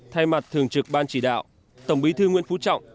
thay mặt thường trực ban chỉ đạo tổng bí thư nguyễn phú trọng